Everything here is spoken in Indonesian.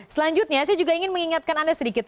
selanjutnya saya juga ingin mengingatkan anda sedikit